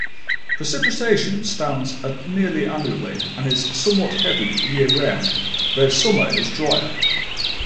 Precipitation stands at nearly annually, and is somewhat heavy year-round, though summer is drier.